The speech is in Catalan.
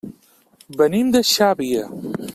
Venim de Xàbia.